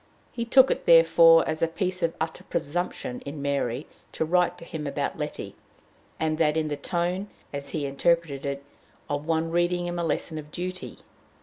He took it, therefore, as a piece of utter presumption in Mary to write to him about Letty, and that in the tone, as he interpreted it, of one reading him a lesson of duty.